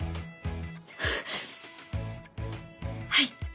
はい。